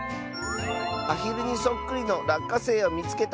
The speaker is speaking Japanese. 「アヒルにそっくりのらっかせいをみつけた！」。